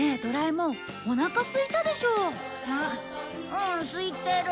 うんすいてる。